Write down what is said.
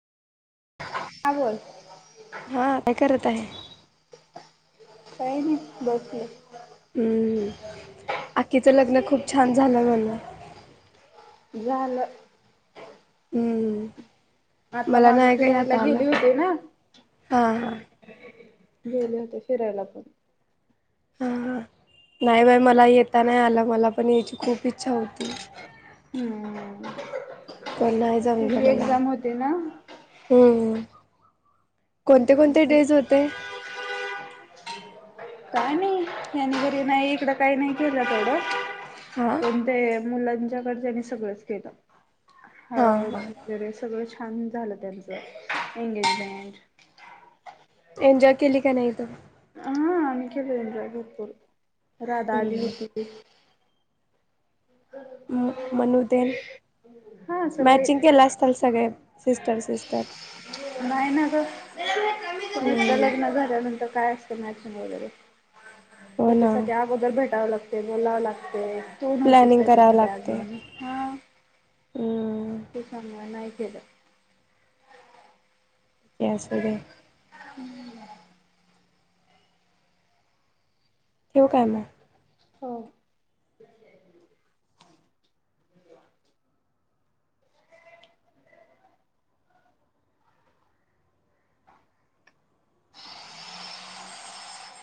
हा बोल हा का करत हाय? काय नाही बसलोय. हम्म, आक्कीचं लग्न खूप छान झालं म्हनल. झालं. हम. आता मागं फिरायला गेली होती ना? हा हा गेले होते फिरायला पण. हा नाही बार मला येता नाही आलं मला पण याची खूप इच्छा होती. पण हम्म. पण नाही जमल तुझी मला. एक्झाम होती ना हम्म. कोणते कोणते डेज होते. काय नाही, ह्यानीं घरी नाही इकडं काही नाही केलं तेव्हड. हा पण ते मुलांच्या कडच्यानी सगळंच केलं. हा हळद हा ही ने सगळंच छान झालं त्यांचं एंगेजमेंट. एन्जॉय केली का नाही तू? हा, आम्ही केलो एनज्रॉय भरपूर राधा आली होती. मनुतेन हा मॅचिंग केलं असताल सगळ्या नाय ना ग एकदा हम्म लग्न झाल्यानंतर काय अस म्याचिंग वगैरे हो ना त्याच्यासाठी अगोदर भेटाव लागते, बोलावं लागते. तू नव्हतीस प्लॅनिंग करावं त्याच्यामध्ये लागते आजून हा. हम्म केल. असूदे. हम्. ठेवू काय मग? हो.